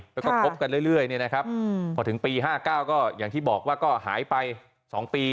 พบกันเรื่อยพอถึงปี๕๙ก็อย่างที่บอกหายไปสองปี